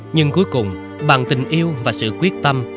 nhưng cuối cùng bằng tình yêu và sự quyết tâm